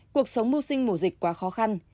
cuộc sống mưu sinh mùa dịch quá khó khăn